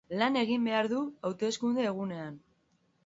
Lan egin behar du hauteskunde egunean.